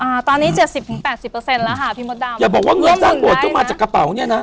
อ่าตอนนี้เจ็ดสิบถึงแปดสิบเปอร์เซ็นต์แล้วค่ะพี่มดดำอย่าบอกว่าเงินสร้างโบสถก็มาจากกระเป๋าเนี้ยนะ